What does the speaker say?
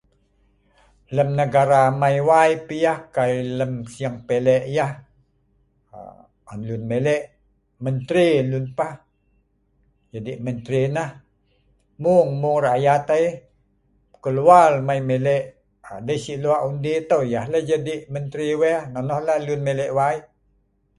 lem negala amai wai pi yah kai lem sing pelek yah aa on lun melek menteri lun pah jadi menteri nah, mung mung rakyat ai keluar mai melek aa dei sik lon undi tau yah lah jadi menteri yah weh nonoh lah lun melek wai